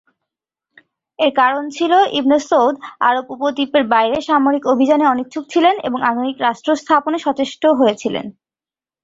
এর কারণ ছিল ইবনে সৌদ আরব উপদ্বীপের বাইরে সামরিক অভিযানে অনিচ্ছুক ছিলেন এবং আধুনিক রাষ্ট্র স্থাপনে সচেষ্ট হয়েছিলেন।